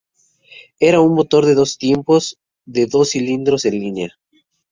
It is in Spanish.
Era un motor de dos tiempos de dos cilindros en línea.